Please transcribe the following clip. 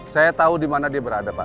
saya tahu dimana dia berada pak